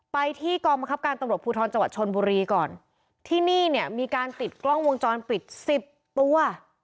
ไปที่กองบังคับการตำรวจภูทรจังหวัดชนบุรีก่อนที่นี่เนี่ยมีการติดกล้องวงจรปิดสิบตัว